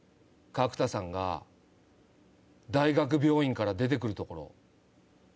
角田さんが大学病院から出て来るところ。